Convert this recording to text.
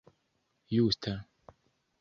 justa